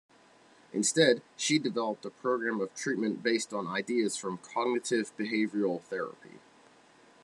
Instead, she developed a program of treatment based on ideas from Cognitive Behavioral Therapy.